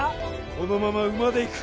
このまま馬で行く